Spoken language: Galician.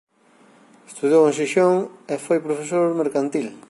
Estudou en Xixón e foi profesor mercantil.